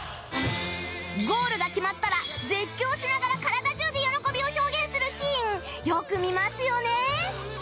ゴールが決まったら絶叫しながら体中で喜びを表現するシーンよく見ますよね